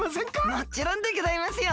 もちろんでギョざいますよ！